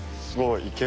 すごい！